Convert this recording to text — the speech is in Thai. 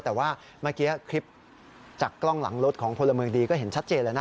แต่ว่าเมื่อกี้คลิปจากกล้องหลังรถของพลเมืองดีก็เห็นชัดเจนแล้วนะ